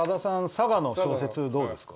佐賀の小説、どうですか？